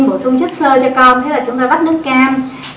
bổ sung chất sơ cho con thế là chúng ta bắt nước cam